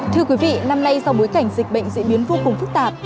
thưa quý vị năm nay do bối cảnh dịch bệnh diễn biến vô cùng phức tạp